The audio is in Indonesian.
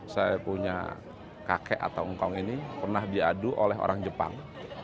saya punya kakek atau ngkong ini pernah diadu oleh orang jepang